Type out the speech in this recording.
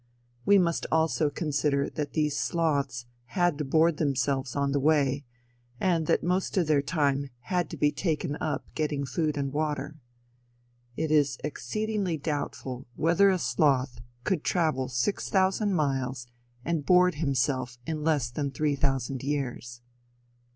We must also consider that these sloths had to board themselves on the way, and that most of their time had to be taken up getting food and water. It is exceedingly doubtful whether a sloth could travel six thousand miles and board himself in less than three thousand years.